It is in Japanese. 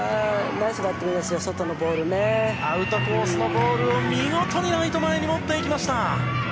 ナイスバッティングですよアウトコースのボールを見事にライト前に持っていきました。